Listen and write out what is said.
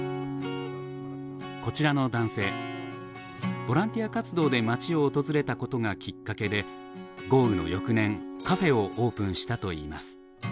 こちらの男性ボランティア活動で街を訪れたことがきっかけで豪雨の翌年カフェをオープンしたといいます。